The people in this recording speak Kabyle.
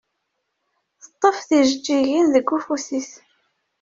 Teṭṭef tijeǧǧigin deg ufus-is.